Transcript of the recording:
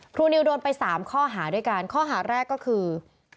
นิวโดนไป๓ข้อหาด้วยกันข้อหาแรกก็คือ